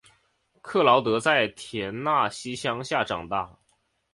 克劳德在田纳西乡下长大。